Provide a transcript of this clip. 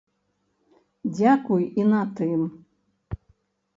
Дзякуй і на тым.